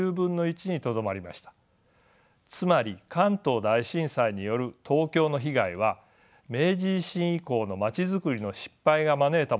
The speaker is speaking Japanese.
つまり関東大震災による東京の被害は明治維新以降の街づくりの失敗が招いたものだったのです。